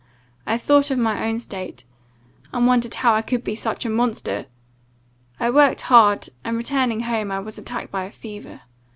I thought of my own state, and wondered how I could be such a monster! I worked hard; and, returning home, I was attacked by a fever.